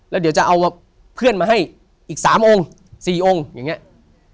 แล้วเดี๋ยวจะเอาเพื่อนมาให้อีก๓องค์๔องค์อย่างนี้